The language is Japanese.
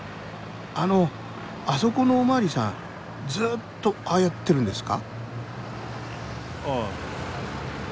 あのあそこのお巡りさんずっとああやってるんですか？